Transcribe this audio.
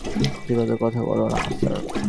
যুক্তিযুক্ত কথা হলো না, স্যার।